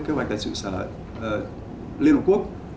kế hoạch tài trụ sở liên hợp quốc